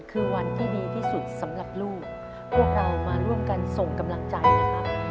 คือวันที่ดีที่สุดสำหรับลูกพวกเรามาร่วมกันส่งกำลังใจนะครับ